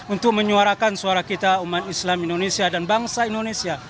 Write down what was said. untuk menyuarakan suara kita umat islam indonesia dan bangsa indonesia